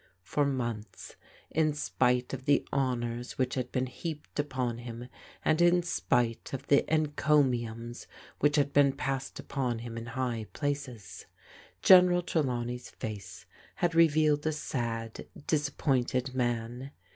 For months, in spite of the honours which had been heaped upon him, and in spite of the encomiums which had been passed upon him in high places, General Tre lawney's face had revealed a sad, disappointed man.